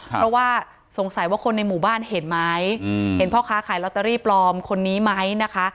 เพราะว่าสงสัยว่าคนในหมู่บ้านเห็นไหมเห็นพ่อค้าขายลอตเตอรี่ปลอมคนนี้ไหมนะคะ